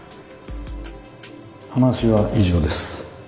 話は以上です。